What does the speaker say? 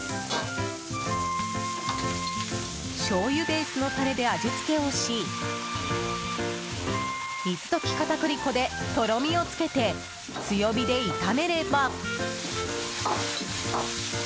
しょうゆベースのタレで味付けをし水溶き片栗粉でとろみをつけて強火で炒めれば。